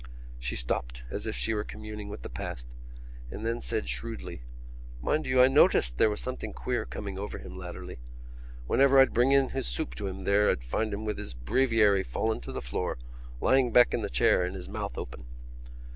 She stopped, as if she were communing with the past and then said shrewdly: "Mind you, I noticed there was something queer coming over him latterly. Whenever I'd bring in his soup to him there I'd find him with his breviary fallen to the floor, lying back in the chair and his mouth open."